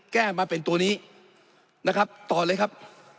แก้มาเป็นตัวนี้นะครับต่อเลยครับ